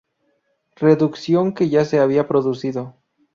Reducción que ya se ha producido.